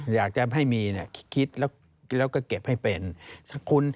อยากจะให้มีเนี่ยคิดแล้วก็เก็บให้เป็น